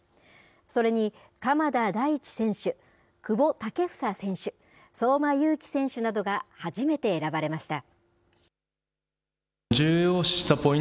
それに鎌田大地選手、久保建英選手、相馬勇紀選手などが初めて選ばれました。